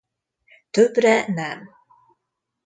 Többre nem.